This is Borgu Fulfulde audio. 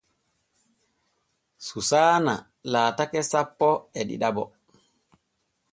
Suusana laatake sappo e ɗiɗaɓo.